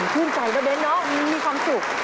พึ่งใจเขาเองนะมีความสุข